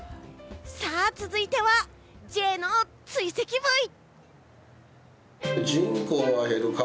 さあ、続いてはＪの追跡ブイ！